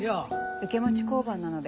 受け持ち交番なので。